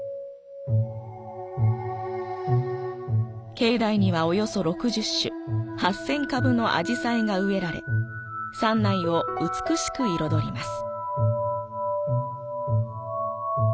境内には約６０種、８０００株のアジサイが植えられ、山内を美しく彩ります。